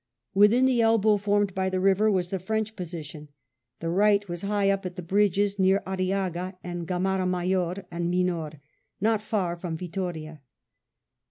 Within the elbow formed by the river was the French position. The right was high up at the bridges, near Ariaga and Gamara, Major and Minor, not far from Vittoria.